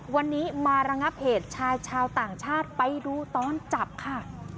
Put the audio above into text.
วันนี้มาระงับเหตุชายชาวต่างชาติไปดูตอนจับค่ะ